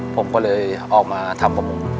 ผมก็เลยออกมาทำประมง